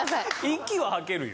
息は吐けるよ。